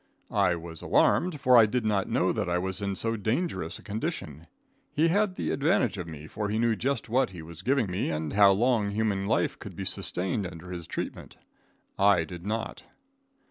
I was alarmed, for I did not know that I was in so dangerous a condition. He had the advantage of me, for he knew just what he was giving me, and how long human life could be sustained under his treatment. I did not.